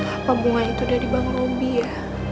apa bunga itu dari bank robi ya